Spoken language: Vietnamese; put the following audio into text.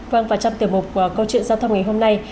vâng và trong tiểu một của câu chuyện giao thông ngày hôm nay